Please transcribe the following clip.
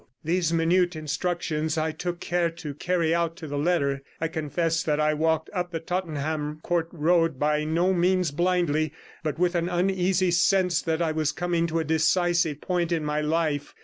These minute instructions I took care to carry out to the letter. I confess that I walked up the Tottenham Court Road by no means blindly, but with an uneasy sense that I was coming to a decisive point in my life.